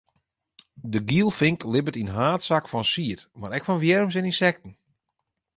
De gielfink libbet yn haadsaak fan sied, mar ek fan wjirms en ynsekten.